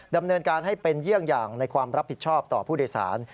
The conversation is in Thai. ดำเนินการให้เป็นเยี่ยงอย่างในความรับผิดชอบต่อผู้โดยสาร